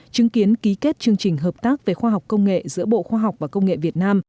chứng kiến ký kết chương trình hợp tác về khoa học công nghệ giữa bộ khoa học và công nghệ việt nam